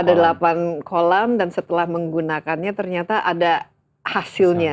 ada delapan kolam dan setelah menggunakannya ternyata ada hasilnya